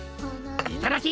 いただき！